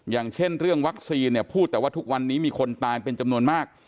อย่างเช่นเรื่องวัคซีนเนี่ยพูดแต่ว่าทุกวันนี้มีคนตายเป็นจำนวนมาก